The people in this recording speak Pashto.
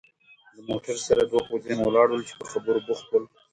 له موټر سره دوه پوځیان ولاړ ول چې په خبرو بوخت ول.